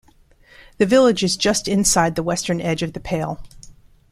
The village is just inside the western edge of The Pale.